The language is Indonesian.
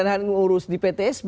pengurusan di ptsb